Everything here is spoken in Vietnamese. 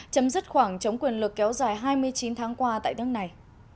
chấm dứt khoảng chống quyền lực kéo dài hai mươi chín tháng qua tại nước này